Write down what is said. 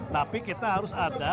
tapi kita harus ada